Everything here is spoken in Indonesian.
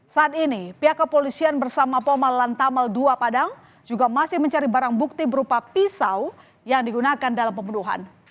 saat ini pihak kepolisian bersama poma lantamal dua padang juga masih mencari barang bukti berupa pisau yang digunakan dalam pembunuhan